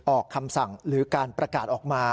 ออกคำสั่งหรือการประกาศออกมา